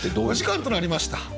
お時間となりました！